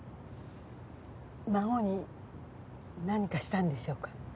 孫に何かしたんでしょうか？